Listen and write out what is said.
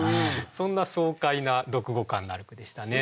そんな爽快な読後感のある句でしたね。